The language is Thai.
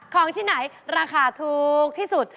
ของที่ไหนราคาถูกที่สุด